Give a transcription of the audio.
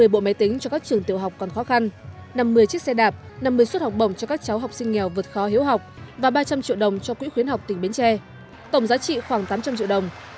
một mươi bộ máy tính cho các trường tiểu học còn khó khăn năm mươi chiếc xe đạp năm mươi suất học bổng cho các cháu học sinh nghèo vượt khó hiếu học và ba trăm linh triệu đồng cho quỹ khuyến học tỉnh bến tre tổng giá trị khoảng tám trăm linh triệu đồng